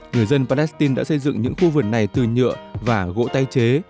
người dân palestine đã xây dựng những khu vườn này từ nhựa và gỗ tái chế